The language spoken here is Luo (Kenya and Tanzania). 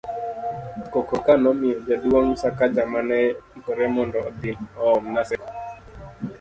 koko ka nomiyo Jaduong' Sakaja ma ne ikore mondo odhi oom Naseko